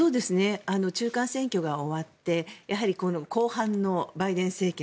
中間選挙が終わって後半のバイデン政権